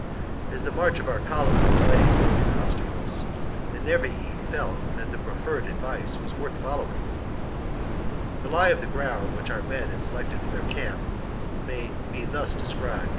As the march of our column was delayed by these obstacles, the Nervii felt that the proffered advice was worth following. 18. The lie of the ground which our men had \ 1 64 THE FIRST CAMPAIGN book 57 B.C. selected for their camp may be thus described.